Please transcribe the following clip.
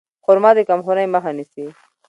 خرما د کمخونۍ مخه نیسي.